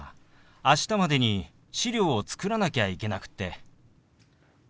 明日までに資料を作らなきゃいけなくって。